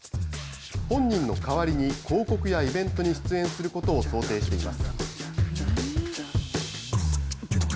本人の代わりに広告やイベントに出演することを想定しています。